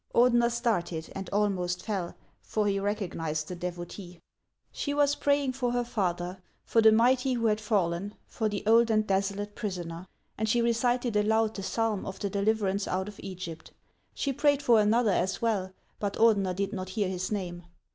Ordener started and almost fell, for he recognized the devotee. She was praying for her father, for the mighty who had fallen, for the old and desolate prisoner; and she recited aloud the psalm of the deliverance out of Egypt. She prayed for another as well, but Ordener did not hear his name.